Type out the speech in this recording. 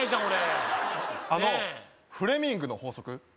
俺あのフレミングの法則